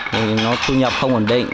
thì nó thu nhập không ổn định